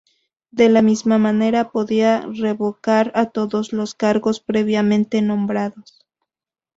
De la misma manera, podía revocar a todos los cargos previamente nombrados.